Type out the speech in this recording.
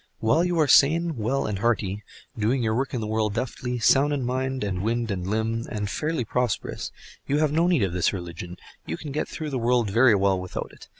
While you are sane, well and hearty, doing your work in the world deftly, sound in mind, and wind, and limb, and fairly prosperous, you have no need of this religion—you can get through the world very well without it.